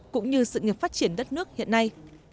cũng như sự nghiệp phát triển đất nước hiện nay